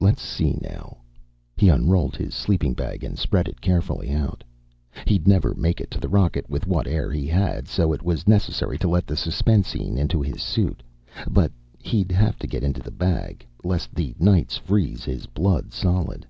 Let's see now He unrolled his sleeping bag and spread it carefully out. He'd never make it to the rocket with what air he had, so it was necessary to let the suspensine into his suit. But he'd have to get inside the bag, lest the nights freeze his blood solid.